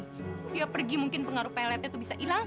kalau dia pergi mungkin pengaruh peletnya itu bisa hilang